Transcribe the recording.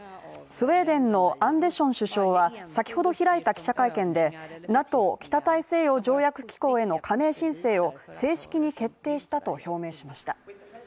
スウェーデンのアンデション首相は、先ほど開いた記者会見で、ＮＡＴＯ＝北大西洋条約機構への加盟申請を正式に決定したと表明しました。